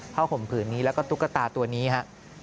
ห่มผืนนี้แล้วก็ตุ๊กตาตัวนี้ฮะ